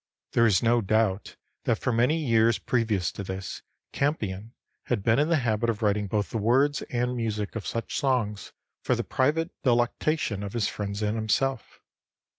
There is no doubt that for many years previous to this, Campion had been in the habit of writing both the words and music of such songs for the private delectation of his friends and himself.